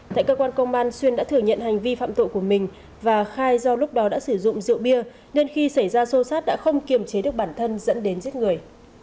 tại cơ quan công an xuyên đã thừa nhận hành vi phạm tội của mình và khai do lúc đó đã sử dụng rượu bia nên khi xảy ra xô xát đã không kiềm chế được bản thân dẫn đến giết người